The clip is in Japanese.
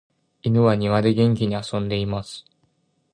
犬は庭で元気に遊んでいます。